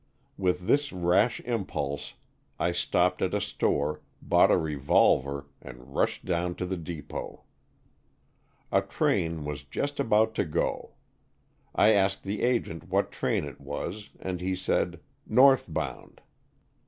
With this rash impulse I stopped at a store, bought a revolver and rushed down to the depot. A train was just about to go. I asked the agent what train it was and he said, 'north bound.